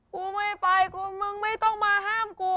กูไม่ไปกูมึงไม่ต้องมาห้ามกู